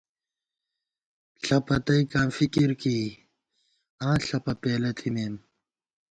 ݪپہ تئیکاں فکرکېئ ، آں ݪپہ پېلہ تھِمېم